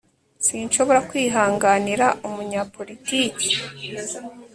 Sinshobora kwihanganira umunyapolitiki